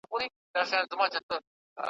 چي ډوډۍ راوړم یارانو ته تیاره `